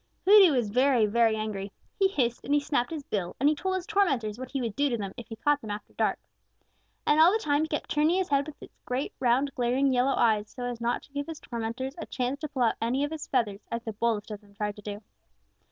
Hooty was very, very angry. He hissed, and he snapped his bill, and he told his tormentors what he would do to them if he caught them after dark. And all the time he kept turning his head with its great, round, glaring, yellow eyes so as not to give his tormentors a chance to pull out any of his feathers, as the boldest of them tried to do.